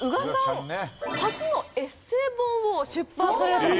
初のエッセイ本を出版された。